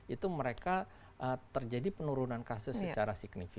itu mereka terjadi penurunan kasus secara signifikan